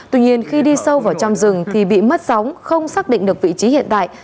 tuy nhiên khi đi sâu vào trong rừng thì bị mất sóng không xác định được vị trí hiện tại